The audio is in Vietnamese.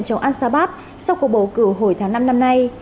chống ansabab sau cuộc bầu cử hồi tháng năm năm nay